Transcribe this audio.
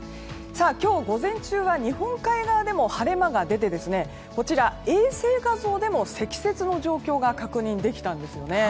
今日、午前中は日本海側でも晴れ間が出て衛星画像でも積雪の状況が確認できたんですね。